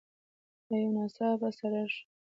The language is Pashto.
يو ناڅاپه څررر شو.